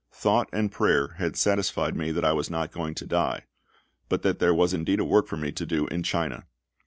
Thought and prayer had satisfied me that I was not going to die, but that there was indeed a work for me to do in China.